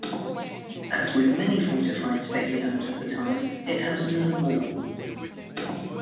As with many fortified stately homes of the time it has no wall.